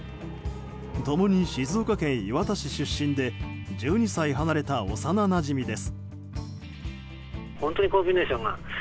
共に静岡県磐田市出身で１２歳離れた幼なじみです。